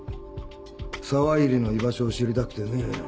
沢入の居場所を知りたくてね。